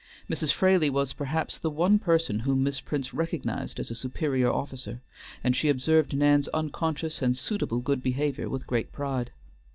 Mrs. Fraley was, perhaps, the one person whom Miss Prince recognized as a superior officer, and she observed Nan's unconscious and suitable good behavior with great pride.